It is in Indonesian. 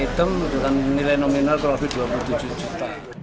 tiga puluh empat item dengan nilai nominal kurang lebih dua puluh tujuh juta